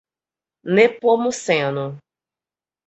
Nepomuceno